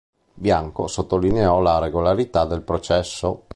Bianco sottolineò la regolarità del processo.